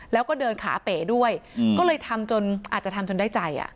แล้วก็เดินขาเป๋ด้วยก็เลยทำจนอาจจะทำจนได้ใจอ่ะ